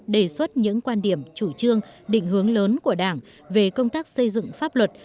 đề xuất những quan điểm chủ trương định hướng lớn của đảng về công tác xây dựng pháp luật